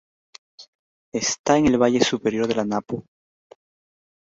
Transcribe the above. Está en el valle superior de la Anapo.